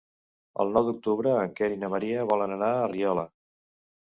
El nou d'octubre en Quer i na Maria volen anar a Riola.